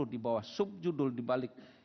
empat puluh di bawah subjudul dibalik